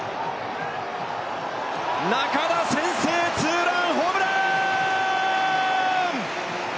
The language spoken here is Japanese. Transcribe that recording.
仲田、先制ツーランホームラン！